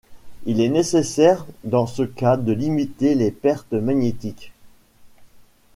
Il est nécessaire dans ce cas de limiter les pertes magnétiques.